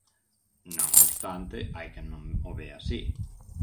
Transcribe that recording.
Non obstante hai quen non o ve así.